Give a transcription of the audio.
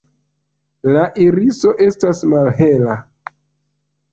La iriso estas malhela.